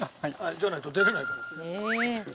じゃないと出られないから。